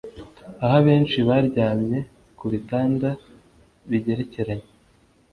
aho abenshi baryamye ku bitanda bigerekeranye